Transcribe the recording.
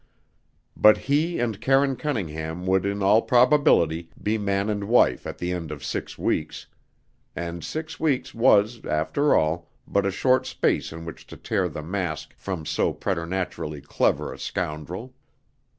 But he and Karine Cunningham would in all probability be man and wife at the end of six weeks; and six weeks was, after all, but a short space in which to tear the mask from so preternaturally clever a scoundrel.